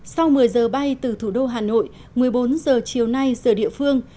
sau một mươi giờ bay từ thủ đô hà nội một mươi bốn giờ chiều nay giờ địa phương